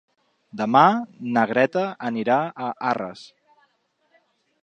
Demà na Greta anirà a Arres.